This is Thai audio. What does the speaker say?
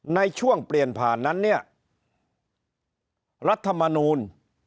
ในช่วงเปลี่ยนผ่านนั้นเนี่ยรัฐมนูล